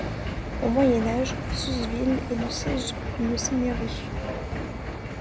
Au Moyen Âge, Susville est le siège d'une seigneurie.